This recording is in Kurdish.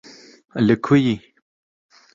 li ku yî